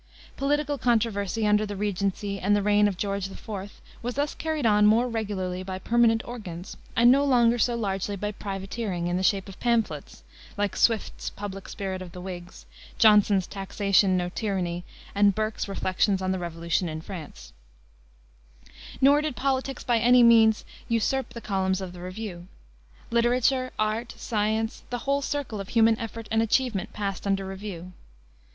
Political controversy under the Regency and the reign of George IV. was thus carried on more regularly by permanent organs, and no longer so largely by privateering, in the shape of pamphlets, like Swift's Public Spirit of the Whigs, Johnson's Taxation No Tyranny, and Burke's Reflections on the Revolution in France. Nor did politics by any means usurp the columns of the reviews. Literature, art, science, the whole circle of human effort and achievement passed under review.